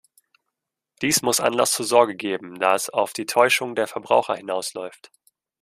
Dies muss Anlass zur Sorge geben, da es auf die Täuschung der Verbraucher hinausläuft.